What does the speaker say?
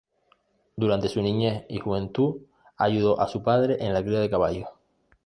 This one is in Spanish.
Durante su niñez y juventud ayudó a su padre en la cría de caballos.